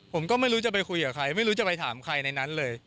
ผมก็ไม่รู้จะไปคุยกับใครไม่รู้จะไปถามใครในนั้นเลย